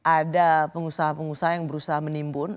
ada pengusaha pengusaha yang berusaha menimbun